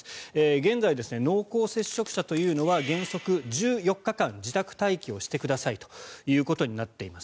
現在、濃厚接触者というのは原則１４日間自宅待機をしてくださいということになっています。